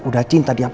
udah cinta dia